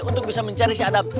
untuk bisa mencari si adap